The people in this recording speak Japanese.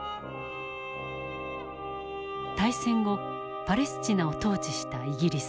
大戦後パレスチナを統治したイギリス。